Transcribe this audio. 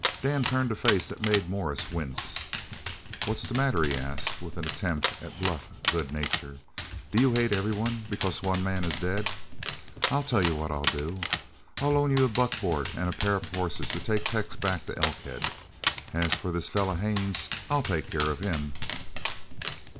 Dan turned a face that made Morris wince. "What's the matter?" he asked, with an attempt at bluff good nature. "Do you hate everyone because one man is dead? I'll tell you what I'll do. I'll loan you a buckboard an' a pair of hosses to take Tex back to Elkhead. As for this feller Haines, I'll take care of him."